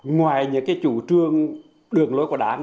ngoài những chủ trương đường lối của đảng